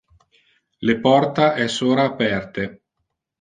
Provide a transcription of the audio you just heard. Le porta es ora aperte.